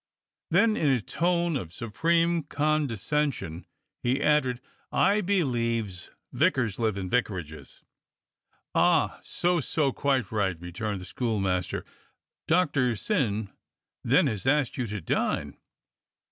Then in a tone of supreme condescension he added: "I believes vicars lives in vicarages!" "Ah — so — so! quite right!" returned the school master. "Doctor Syn, then, has asked you to dine?"